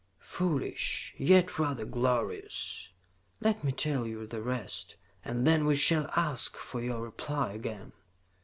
"Foolish, yet rather glorious. Let me tell you the rest, and then we shall ask for your reply again.